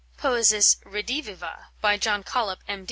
"Poesis Rediviva," by John Collop, M.